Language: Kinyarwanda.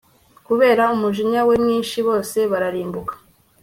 kubera umujinya we mwinshi bose bararimbuka